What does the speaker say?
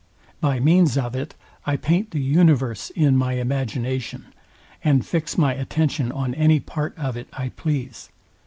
By means of it I paint the universe in my imagination, and fix my attention on any part of it I please.